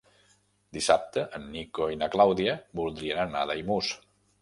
Dissabte en Nico i na Clàudia voldrien anar a Daimús.